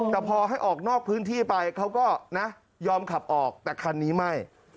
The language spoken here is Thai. แต่พอให้ออกนอกพื้นที่ไปเขาก็นะยอมขับออกแต่คันนี้ไม่